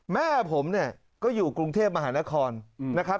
แม่ผมเนี่ยก็อยู่กรุงเทพมหานครนะครับ